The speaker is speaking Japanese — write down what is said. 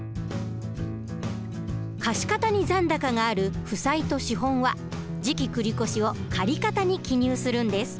貸方に残高がある負債と資本は「次期繰越」を借方に記入するんです。